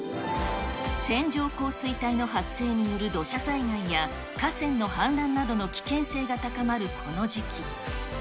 線状降水帯の発生による土砂災害や、河川の氾濫などの危険性が高まるこの時期。